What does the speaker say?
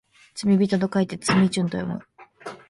罪人と書いてつみんちゅと読む